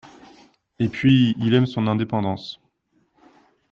Et puis il aime son indépendance.